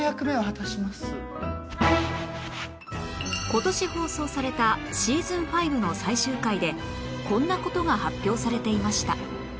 今年放送されたシーズン５の最終回でこんな事が発表されていました